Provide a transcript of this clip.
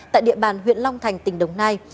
tại địa bàn huyện long thành tỉnh đồng nai